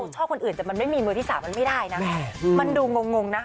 ชอบคนอื่นแต่มันไม่มีมือที่๓มันไม่ได้นะมันดูงงนะคะ